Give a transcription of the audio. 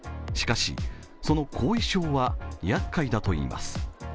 しかし、その後遺症はやっかいだといいます。